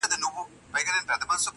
په مشاعره کي دیکلمه کړی دی -